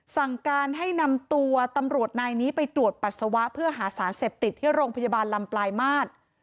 สั่งการให้นำตัวตำรวจนายนี้ไปตรวจปัสสาวะเพื่อหาสารเสพติดที่โรงพยาบาลลำปลายมาตร